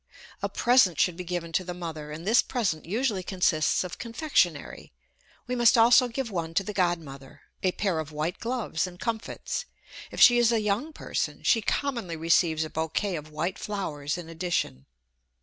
A present should be given to the mother, and this present usually consists of confectionary. We must also give one to the godmother, a pair of white gloves and comfits; if she is a young person, she commonly receives a bouquet of white flowers in addition.